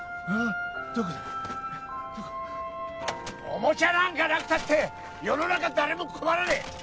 おもちゃなんかなくたって世の中誰も困らねえ！